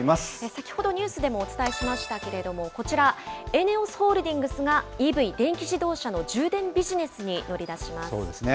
先ほどニュースでもお伝えしましたけれども、こちら、ＥＮＥＯＳホールディングスが、ＥＶ・電気自動車の充電ビジネスに乗りそうですね。